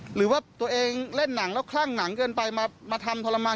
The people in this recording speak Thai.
หรือว่าตัวเองเล่นหนังแล้วคลั่งหนังเกินไปมาทำทรมาน